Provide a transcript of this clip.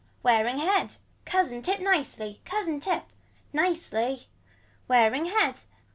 Wearing head. Cousin tip nicely. Cousin tip. Nicely. Wearing head.